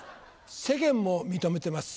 世間も認めてます